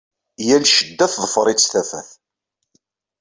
Yal ccedda teḍfer-itt tafat.